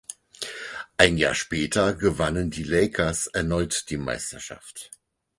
Ein Jahr später gewannen die Lakers erneut die Meisterschaft.